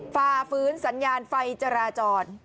ฝ่าฟื้นสัญญาณไฟจราจร